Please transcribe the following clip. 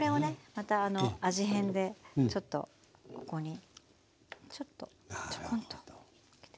また味変でちょっとここにちょっとちょこんとのっけて。